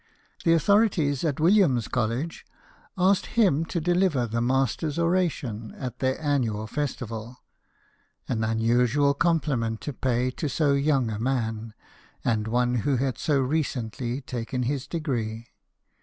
The au thorities at Williams College asked him to deliver the " Master's Oration " at their annual festival ; an unusual compliment to pay to so young a man, and one who had so recently taken his degree.